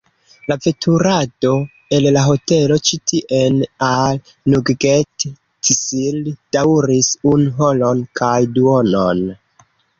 La veturado el la hotelo ĉi tien al "Nugget-tsil" daŭris unu horon kaj duonon.